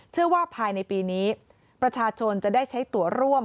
เชื่อว่าภายในปีนี้ประชาชนจะได้ใช้ตัวร่วม